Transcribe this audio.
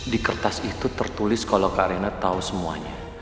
di kertas itu tertulis kalau kak arena tahu semuanya